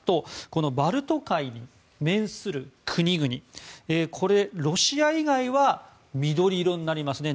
このバルト海に面する国々これ、ロシア以外は緑色になりますね。